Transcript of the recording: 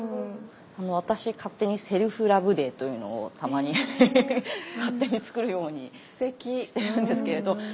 私勝手にセルフラブデーというのをたまに勝手に作るようにしてるんですけれど。